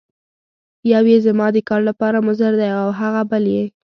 یو یې زما د کار لپاره مضر دی او هغه بل یې.